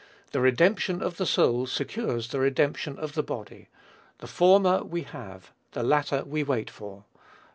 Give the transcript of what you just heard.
The redemption of the soul secures the redemption of the body; the former we have, the latter we wait for.